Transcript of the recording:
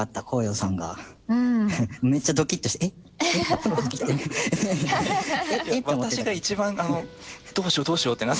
私が一番どうしようどうしようってなって。